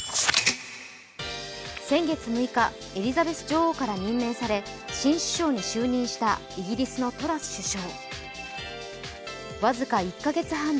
先月６日、エリザベス女王から任命され新首相に就任したイギリスのトラス首相。